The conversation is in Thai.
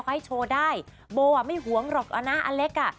เขาให้โชว์ได้โบว์ไม่หวงหรอกนะอเล็ก